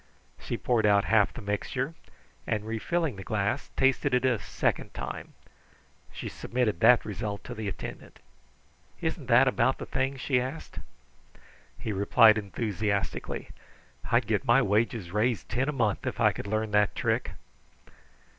She poured out half the mixture, and refilling the glass, tasted it a second time. She submitted that result to the attendant. "Isn't that about the thing?" she asked. He replied enthusiastically. "I'd get my wages raised ten a month if I could learn that trick."